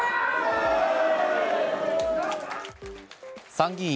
参議院